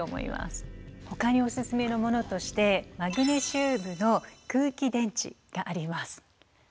ほかにオススメのものとしてマグネシウムの空気電池があります。